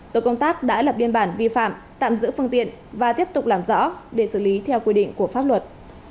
tổ công tác đã lập biên bản vi phạm tạm giữ phương tiện và tiếp tục làm rõ để xử lý theo quy định của pháp luật